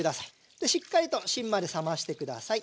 しっかりと芯まで冷まして下さい。